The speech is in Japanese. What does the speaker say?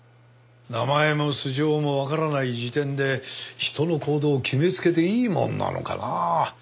名前も素性もわからない時点で人の行動を決めつけていいものなのかなあ？